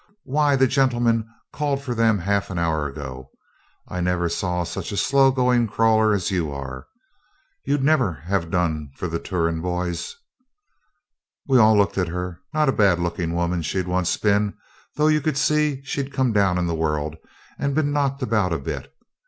'Why, the gentlemen called for them half an hour ago. I never saw such a slow going crawler as you are. You'd never have done for the Turon boys.' We all looked at her not a bad looking woman she'd been once, though you could see she'd come down in the world and been knocked about a bit.